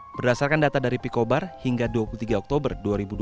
berdasarkan data dari pikobar hingga dua puluh tiga oktober dua ribu dua puluh